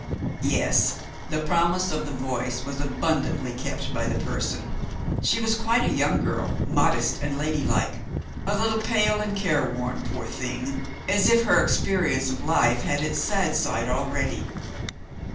Yes! the promise of the voice was abundantly kept by the person. She was quite a young girl, modest and ladylike; a little pale and careworn, poor thing, as if her experience of life had its sad side already.